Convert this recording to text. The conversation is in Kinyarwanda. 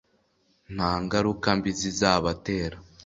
nta ngaruka mbi zizabatera.